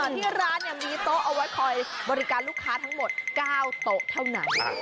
ที่ร้านมีโต๊ะเอาไว้คอยบริการลูกค้าทั้งหมด๙โต๊ะเท่านั้น